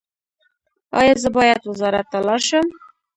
ایا زه باید وزارت ته لاړ شم؟